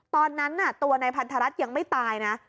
ตอนนั้นตัวนายพันธรัฐยังไม่ตายนะ